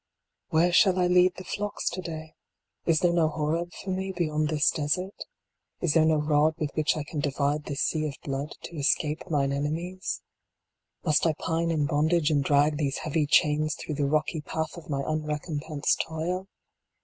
TJ7 HERE shall I lead the flocks to day ? Is there no Horeb for me beyond this desert ? Is there no rod with which I can divide this sea of blood to escape mine enemies ? Must I pine in bondage and drag these heavy chains through the rocky path of my unrecompensed toil